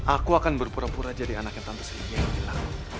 aku akan berpura pura jadi anaknya tante sri yang gila